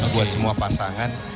buat semua pasangan